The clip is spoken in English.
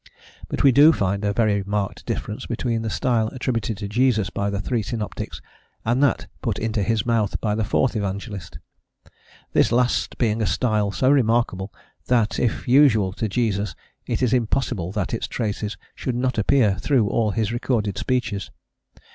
But we do find a very marked difference between the style attributed to Jesus by the three synoptics and that put into his mouth by the fourth evangelist; this last being a style so remarkable that, if usual to Jesus, it is impossible that its traces should not appear through all his recorded speeches.